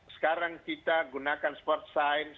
sekarang kita gunakan sport science